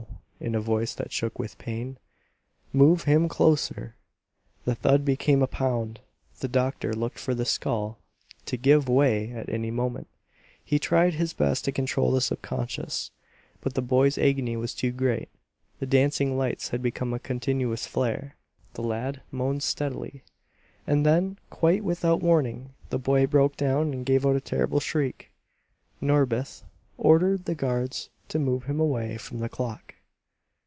in a voice that shook with pain. "Move him closer!" The thud became a pound. The doctor looked for the skull to give way at any moment; he tried his best to control the subconscious, but the boy's agony was too great. The dancing lights had become a continuous flare; the lad moaned steadily. And then quite without warning, the boy broke down and gave out a terrible shriek. Norbith ordered the guards to move him away from the clock.